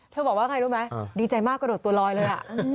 บอกว่าไงรู้ไหมดีใจมากกระโดดตัวลอยเลย